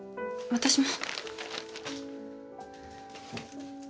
私も。